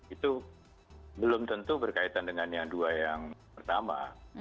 itu belum tentu berkaitan dengan yang dua yang pertama